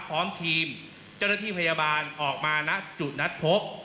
พร้อมทีมเจ้าหน้าที่พยาบาลออกมาณจุดนัดพบ